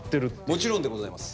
もちろんでございます。